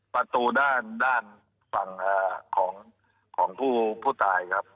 ประตูด้านฝั่งของผู้ตายครับ